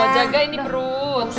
jagain di perut